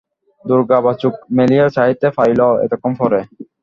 দুর্গা আবার চোখ মেলিয়া চাহিতে পারিল এতক্ষণ পরে।